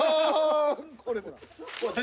これです。